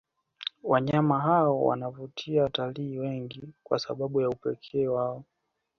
Wanyama hao wanawavutia watalii wengi kwa sababu ya upekee wao